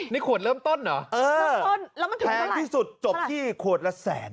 นี่ขวดเริ่มต้นเหรอแพงที่สุดจบที่ขวดละแสน